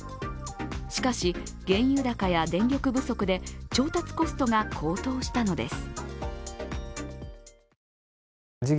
しかし、原油高や電力不足で調達コストが高騰したのです。